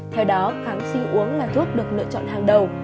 theo đó kháng sinh uống là thuốc được lựa chọn hàng đầu